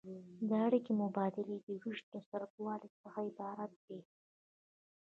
دا اړیکې د مبادلې او ویش له څرنګوالي څخه عبارت دي.